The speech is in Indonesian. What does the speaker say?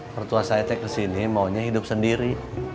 mertua saya tek ke sini maunya hidup sendiri